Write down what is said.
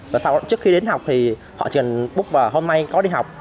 và sau đó trước khi đến học thì họ chỉ cần búc vào hôm nay có đi học